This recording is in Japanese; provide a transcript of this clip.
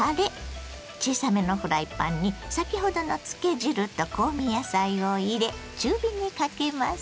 小さめのフライパンに先ほどの漬け汁と香味野菜を入れ中火にかけます。